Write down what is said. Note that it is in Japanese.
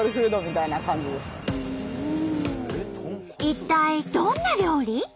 一体どんな料理？